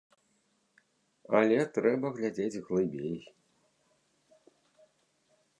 Але трэба глядзець глыбей.